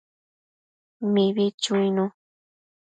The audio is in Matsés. Mibi chuinu